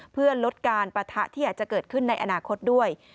เพื่อลดการปะทะที่อาจจะเกิดขึ้นในอนาคตด้วย